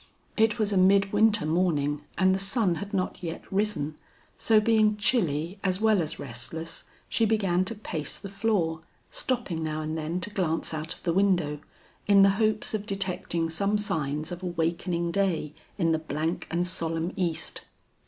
It was a midwinter morning and the sun had not yet risen, so being chilly as well as restless, she began to pace the floor, stopping now and then to glance out of the window, in the hopes of detecting some signs of awakening day in the blank and solemn east.